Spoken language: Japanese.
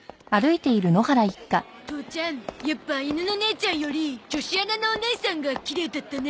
父ちゃんやっぱ犬のねーちゃんより女子アナのおねいさんがきれいだったね。